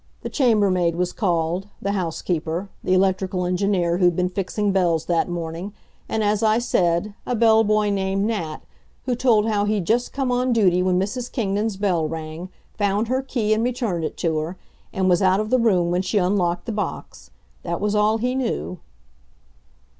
The chambermaid was called, the housekeeper, the electrical engineer who'd been fixing bells that morning, and, as I said, a bell boy named Nat, who told how he'd just come on duty when Mrs. Kingdon's bell rang, found her key and returned it to her, and was out of the room when she unlocked the box. That was all he knew.